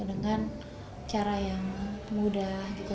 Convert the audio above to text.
dengan cara yang mudah gitu